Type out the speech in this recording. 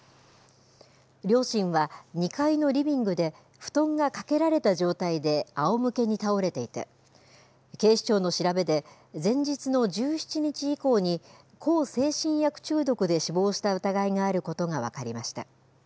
両親は２階のリビングで、布団がかけられた状態であおむけに倒れていて、警視庁の調べで、前日の１７日以降に、向精神薬中毒で死亡した疑いがあることが分かりました。